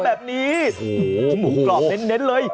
แบบนี้หมูกรอบเน้นเลย